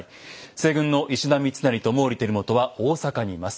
西軍の石田三成と毛利輝元は大坂にいます。